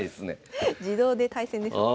自動で対戦ですね。